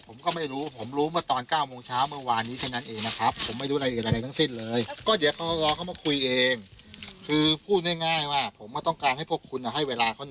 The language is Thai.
ผมก็ไม่รู้ผมรู้ว่าตอน๙โหมงเช้าเมื่อวานนี้